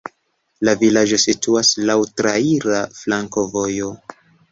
La vilaĝo situas laŭ traira flankovojo.